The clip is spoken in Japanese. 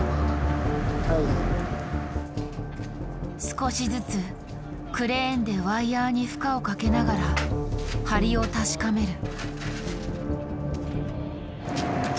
少しずつクレーンでワイヤーに負荷をかけながら張りを確かめる。